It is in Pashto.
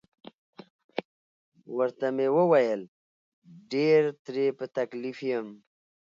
ورته مې وویل: ډیر ترې په تکلیف یم.